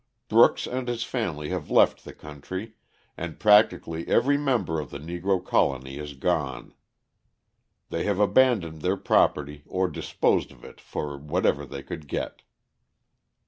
Brooks and his family have left the country, and practically every member of the Negro colony has gone. They have abandoned their property or disposed of it for whatever they could get.